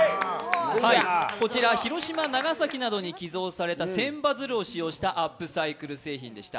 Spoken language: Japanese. こちら、広島・長崎などに寄贈された千羽鶴を使用したアップサイクル製品でした。